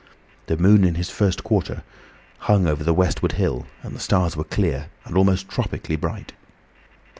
The moon in its first quarter hung over the westward hill, and the stars were clear and almost tropically bright.